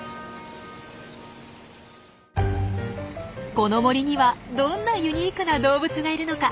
この森にはどんなユニークな動物がいるのか。